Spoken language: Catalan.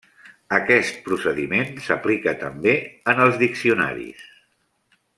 Aquest procediment s'aplica també en els diccionaris.